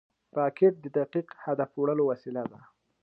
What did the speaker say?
راکټ د دقیق هدف وړلو وسیله ده